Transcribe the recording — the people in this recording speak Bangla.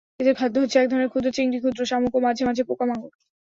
এদের খাদ্য হচ্ছে এক ধরনের ক্ষুদ্র চিংড়ি, ক্ষুদ্র শামুক ও মাঝে মাঝে পোকামাকড়।